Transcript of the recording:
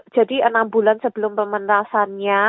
enam bulan sebelum pementasannya